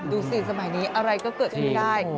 ดูสิสมัยนี้อะไรก็เกิดขึ้นได้